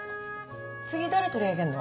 次誰取り上げんの？